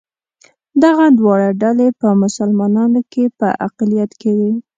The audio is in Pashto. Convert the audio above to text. دغه دواړه ډلې په مسلمانانو کې په اقلیت کې وې.